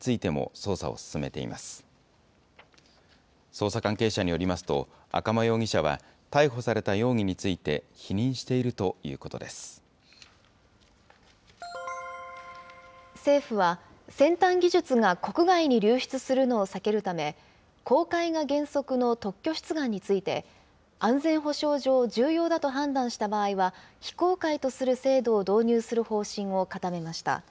捜査関係者によりますと、赤間容疑者は、逮捕された容疑について、政府は、先端技術が国外に流出するのを避けるため、公開が原則の特許出願について、安全保障上重要だと判断した場合は、非公開とする制度を導入する方針を固めました。